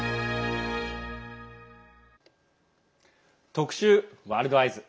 特集「ワールドＥＹＥＳ」。